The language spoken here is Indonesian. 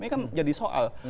ini kan jadi soal